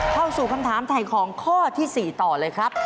เข้าสู่คำถามถ่ายของข้อที่๔ต่อเลยครับ